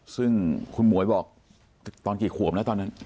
ซึ่งคุณหมวยบอกตอนกี่ขวบแล้วตอนนั้น